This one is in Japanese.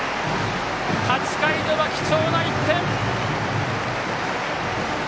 ８回裏、貴重な１点！